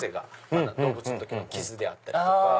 まだ動物の時の傷であったりとか。